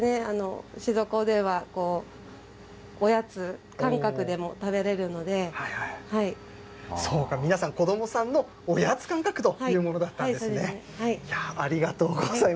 静岡おでんは、おやつ感覚でも食べれるので、そうか、皆さん、子どもさんのおやつ感覚というものだったんはい。